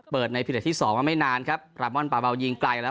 เปิดในพิเศษที่สองก็ไม่นานครับประมวลประเบิดยิงไกลแล้ว